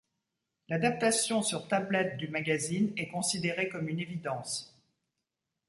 L'adaptation sur tablette du magazine est considéré comme une évidence.